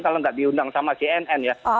kalau tidak diundang sama cnn